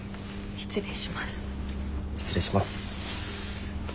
失礼します。